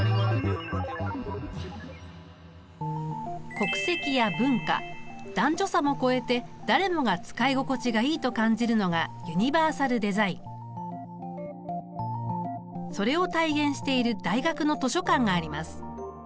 国籍や文化男女差も超えて誰もが使い心地がいいと感じるのがそれを体現している大学の図書館があります。